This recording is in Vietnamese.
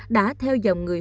đã theo dòng người dân